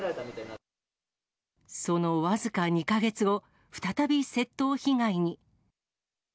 そのわずか２か月後、再び窃盗被害に。